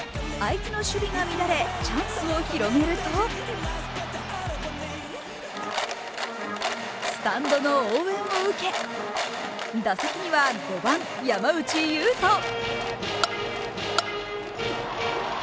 相手の守備が乱れ、チャンスを広げるとスタンドの応援を受け、打席には５番・山内友斗。